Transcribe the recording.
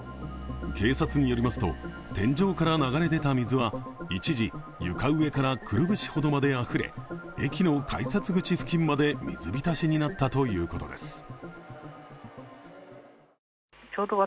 警察によりますと、天井から流れ出た水は一時、床上からくるぶしほどまであふれ駅の改札口付近まで水浸しになったということです。